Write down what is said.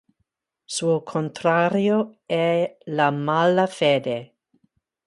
Suo contrario è la malafede.